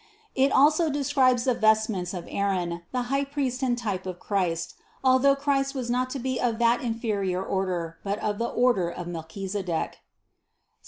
It also describes the vestments of Aaron, the highpriest and type of Christ, although Christ was not to be of that inferior order but of the order of Melchisedech (Ps.